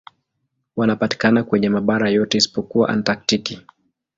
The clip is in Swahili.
Wanapatikana kwenye mabara yote isipokuwa Antaktiki.